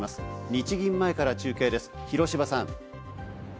日銀前から中継です、広芝さん。